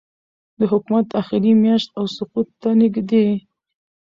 د حکومت آخري میاشت او سقوط ته نږدې